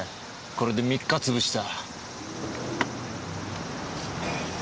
これで３日潰した。